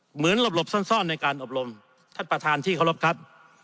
เหมือนหลบหลบซ่อนซ่อนในการอบรมท่านประธานที่เคารพครับ